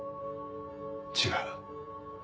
違う。